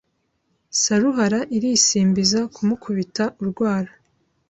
Saruhara irisimbiza kumukubita urwara